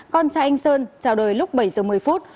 con trai anh sơn chào đời lúc bảy giờ một mươi phút